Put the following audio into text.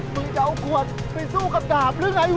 มึงจะเอาขวดไปสู้กับดาบหรือไง